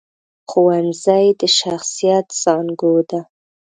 ښوونځی د شخصیت زانګو ده